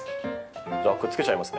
じゃあくっつけちゃいますね。